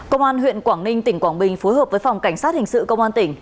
công an huyện quảng ninh tỉnh quảng bình phối hợp với phòng cảnh sát hình sự công an tỉnh